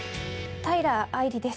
平愛梨です。